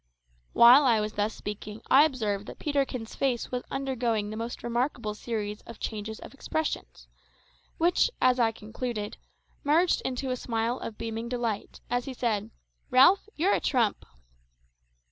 While I was thus speaking I observed that Peterkin's face was undergoing the most remarkable series of changes of expression, which, as I concluded, merged into a smile of beaming delight, as he said, "Ralph, you're a trump!"